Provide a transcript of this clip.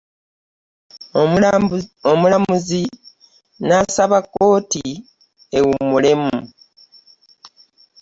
Omulamuzi nasaba ekooti ewummulemu .